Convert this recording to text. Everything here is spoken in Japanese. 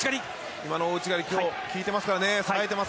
今の大内刈り効いてますからね。